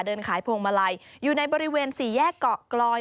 เดินขายพวงมาลัยอยู่ในบริเวณสี่แยกเกาะกลอย